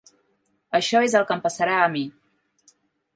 Això és el que em passarà a mi.